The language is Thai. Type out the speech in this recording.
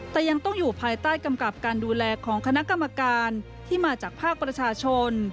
แต่ยังต้องอยู่ภายใต้กำกับการดูแลของคณะกรรมการที่มาจากภาคประชาชน